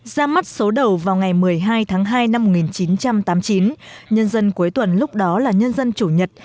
ra mắt số đầu vào ngày một mươi hai tháng hai năm một nghìn chín trăm tám mươi chín nhân dân cuối tuần lúc đó là nhân dân chủ nhật